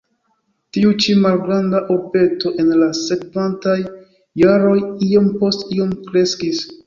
Tiu ĉi malgranda urbeto en la sekvantaj jaroj iom post iom kreskis.